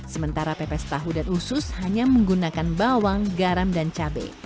sementara pepes tahu dan usus hanya menggunakan bawang garam dan cabai